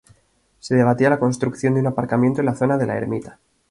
Se debatía la construcción de un aparcamiento en la zona de "La Ermita".